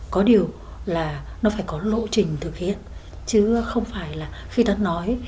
có điều là nó phải có lộ trình thực hiện chứ không phải là khi ta nói